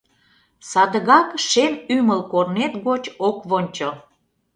Садыгак шем ӱмыл Корнет гоч ок вончо.